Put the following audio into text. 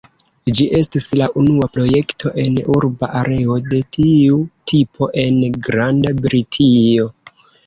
Ĝi estis la unua projekto en urba areo de tiu tipo en Granda Britio.